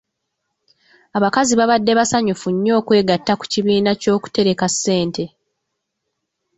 Abakazi baabadde basanyufu nnyo okwegatta ku kibiina ky'okutereka ssente.